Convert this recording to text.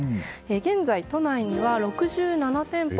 現在、都内には６７店舗